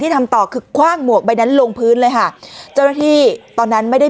ที่ทำต่อคือขว้างหมวกใบนั้นลงพื้นเลยค่ะตอนนั้นไม่ได้